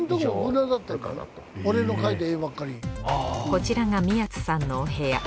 こちらが宮津さんのお部屋。